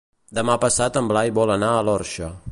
Demà passat en Blai vol anar a l'Orxa.